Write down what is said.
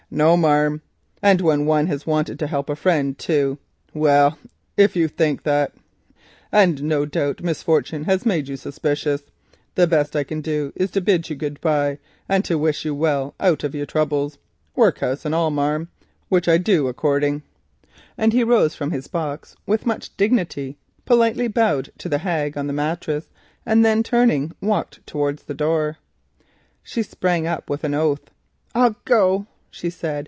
"No, marm—and when one hev wanted to help a friend too. Well, if you think that—and no doubt misfortune hev made you doubtful like—the best I can do is to bid you good day, and to wish you well out of your troubles, workhus and all, marm, which I do according," and he rose from his box with much dignity, politely bowed to the hag on the mattress, and then turning walked towards the door. She sprung up with an oath. "I'll go," she said.